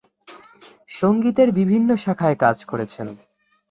সঙ্গীতের বিভিন্ন শাখায় কাজ করেছেন।